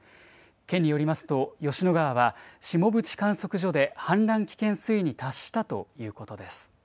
県によりますと、吉野川はしもぶち観測所で氾濫危険水位に達したということです。